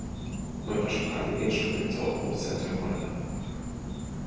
Мы пашукалі іншую пляцоўку ў цэнтры горада.